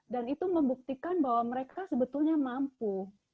dan itu membuktikan bahwa mereka sebetulnya mampu